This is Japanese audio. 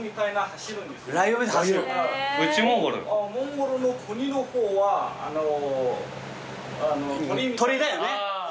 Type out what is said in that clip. モンゴルの国の方は鳥みたいな。